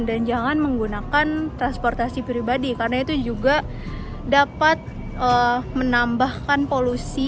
jangan menggunakan transportasi pribadi karena itu juga dapat menambahkan polusi